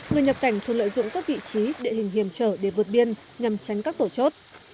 người nhập cảnh thường lợi dụng các vị trí địa hình hiểm trở để vượt biên nhằm tránh các tổ chốt